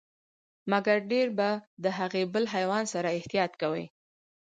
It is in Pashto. مګر ډیر به د هغه بل حیوان سره احتياط کوئ،